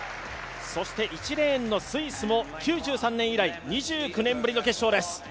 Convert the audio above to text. １レーンのスイスも９３年以来２９年ぶりの決勝です。